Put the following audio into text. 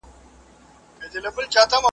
له خپل تخته را لوېدلی چي سرکار وي .